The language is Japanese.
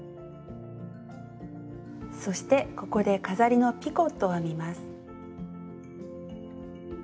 そしてここで飾りの「ピコット」を編みます。